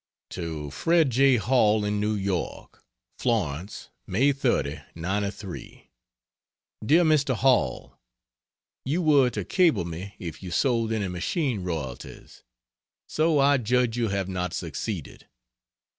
To Fred J. Hall, in New York: FLORENCE May 30, '93 DEAR MR. HALL, You were to cable me if you sold any machine royalties so I judge you have not succeeded.